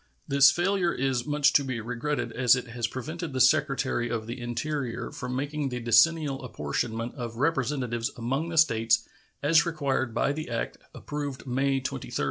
This failure is much to be regretted, as it has prevented the Secretary of the Interior from making the decennial apportionment of Representatives among the States, as required by the act approved May 23, 1850.